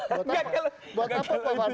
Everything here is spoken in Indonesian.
buat apa pak fadli mendebat saya